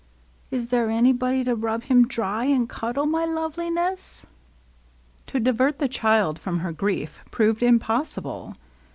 Is there anybody to rub him dry and cuddle my Loveliness ?" To diverTie ehM from her grirf proved impoe sible.